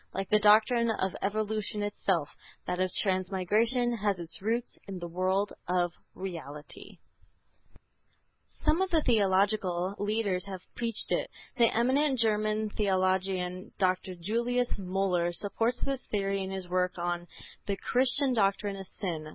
Like the doctrine of evolution itself, that of transmigration has its roots in the world of reality." ("Evolution and Ethics," p. 61.) Some of the theological leaders have preached it. The eminent German theologian Dr. Julius Müller supports this theory in his work on "The Christian Doctrine of Sin."